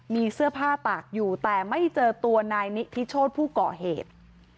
มีเสื้อผ้าตากอยู่แต่ไม่เจอตัวนายนิทิโชธผู้ก่อเหตุ